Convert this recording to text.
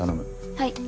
はい。